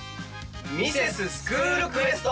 『ミセススクールクエスト』。